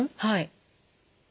はい。